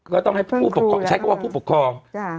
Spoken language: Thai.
ก็ต้องให้ผู้ปกครองใช้คำว่าผู้ปกครอง